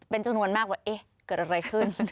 เป็นจำนวนมากว่าเอ๊ะเกิดอะไรขึ้น